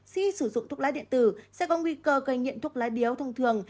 khi sử dụng thuốc lá điện tử sẽ có nguy cơ gây nghiện thuốc lá điếu thông thường